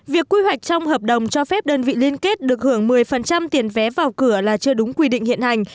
việc quy hoạch trong hợp đồng cho phép đơn vị liên kết được hưởng một mươi tiền vé vào cửa là chưa đúng quy định hiện hành